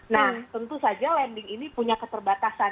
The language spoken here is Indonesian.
nah tentu saja landing ini punya keterbatasan